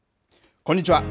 こんにちは。